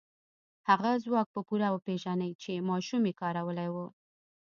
هغه ځواک به پوره وپېژنئ چې ماشومې کارولی و.